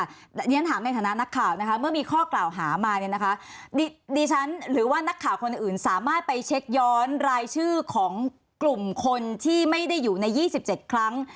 ต้องเงินฐานาศาสตร์นักข่าวมีข้อกล่าวหามาดิฉันหรือนักข่าวคนอื่นสามารถไปเช็กย้อนรายชื่อของกลุ่มคนที่ไม่ได้อยู่ใน๒๗ครั้ง